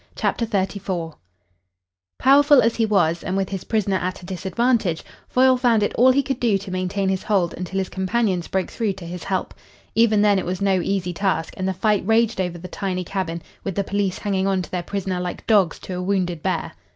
CHAPTER XXXIV Powerful as he was and with his prisoner at a disadvantage, Foyle found it all he could do to maintain his hold until his companions broke through to his help. Even then it was no easy task, and the fight raged over the tiny cabin with the police hanging on to their prisoner like dogs to a wounded bear.